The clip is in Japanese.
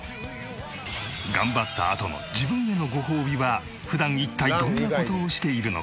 頑張ったあとの自分へのごほうびは普段一体どんな事をしているのか？